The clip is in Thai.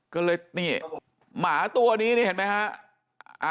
ก็เลยนี่หมาตัวนี้นี่เห็นไหมฮะ